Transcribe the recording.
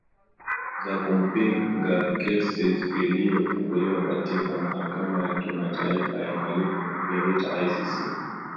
za kupinga kesi iliyo funguliwa katika mahakama ya kimataifa ya uhalifu wa kivita icc